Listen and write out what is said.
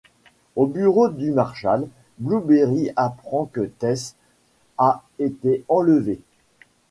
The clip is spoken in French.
Au bureau du marshal, Blueberry apprend que Tess a été enlevée.